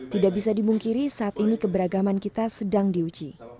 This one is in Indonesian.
tidak bisa dimungkiri saat ini keberagaman kita sedang diuji